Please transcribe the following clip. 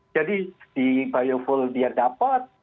jadi di biofuel dia dapat